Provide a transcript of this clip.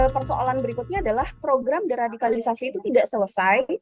persoalan berikutnya adalah program deradikalisasi itu tidak selesai